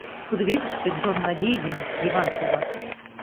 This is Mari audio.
Кудывечыште Джон Надей ден Йыван шогат.